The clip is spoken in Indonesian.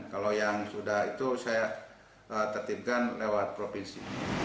kalau yang sudah itu saya tertibkan lewat provinsi